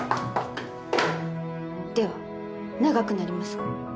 では長くなりますが。